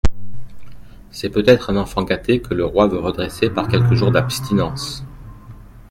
C'est peut-être un enfant gâté que le roi veut redresser par quelques jours d'abstinence.